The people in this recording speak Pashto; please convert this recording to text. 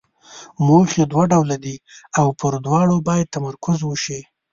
موخې دوه ډوله دي او پر دواړو باید تمرکز وشي.